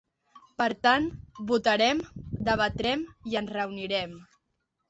Per tant, votarem, debatrem, i ens reunirem.